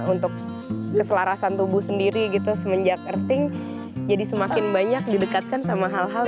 untuk keselarasan tubuh sendiri gitu semenjak earthing jadi semakin banyak didekatkan sama hal hal